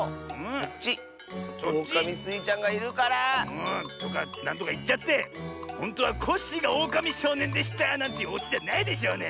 こっちオオカミスイちゃんがいるから。とかなんとかいっちゃってほんとはコッシーがオオカミしょうねんでしたなんていうオチじゃないでしょうね。